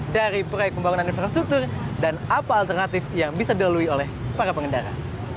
dari proyek pembangunan infrastruktur dan apa alternatif yang bisa dilalui oleh para pengendara